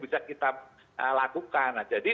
bisa kita lakukan nah jadi